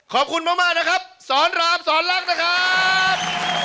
ขอบคุณมากนะครับสอนรามสอนลักษณ์นะครับ